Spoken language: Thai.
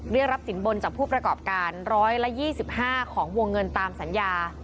เรียกรับสินบนจากผู้ประกอบการ๑๒๕ของวงเงินตามสัญญา